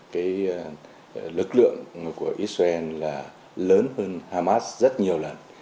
cái lực lượng của israel là lớn hơn hamas rất nhiều lần